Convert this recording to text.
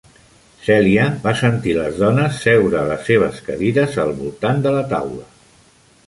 Celia va sentir les dones seure a les seves cadires al voltant de la taula.